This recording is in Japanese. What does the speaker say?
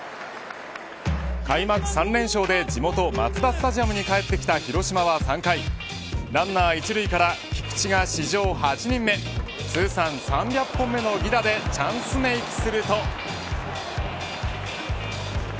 開幕３連勝で地元マツダスタジアムに返ってきた広島は３回ランナー１塁から菊池が史上８人目通算３００本目の犠打でチャンスメークすると。